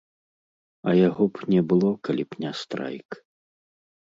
А яго б не было, калі б не страйк.